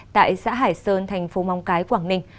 tại xã hải sơn thành phố móng cái quảng ninh